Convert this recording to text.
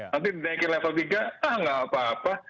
nanti dinaikin level tiga ah nggak apa apa